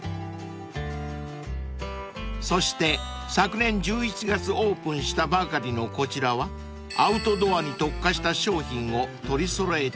［そして昨年１１月オープンしたばかりのこちらはアウトドアに特化した商品を取り揃えている店］